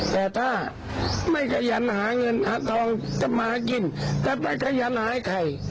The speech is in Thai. แต่ถ้าไม่ขยันหาเงินหาทองจะมากินจะไปขยันหาให้ใคร